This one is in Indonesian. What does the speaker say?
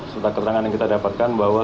setakat tangan yang kita dapatkan bahwa